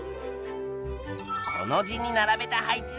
コの字に並べた配置だ。